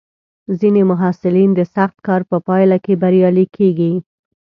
ځینې محصلین د سخت کار په پایله کې بریالي کېږي.